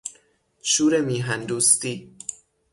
شور میهن دوستی